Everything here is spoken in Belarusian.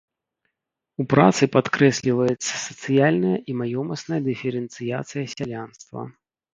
У працы падкрэсліваецца сацыяльная і маёмасная дыферэнцыяцыя сялянства.